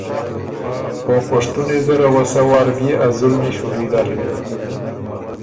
او پشتُنی زره وه سۀ وار بئے ا ظلمی شُوري داکِن۔